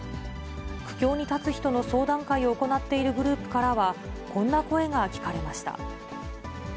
苦境に立つ人の相談会を行っているグループからは、こんな声が聞かれました。